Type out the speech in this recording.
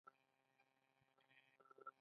پاچا د هيواد ښونيرو او روزنيزو چارو ته پام نه کوي.